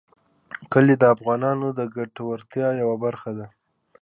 کلي د افغانانو د ګټورتیا یوه برخه ده.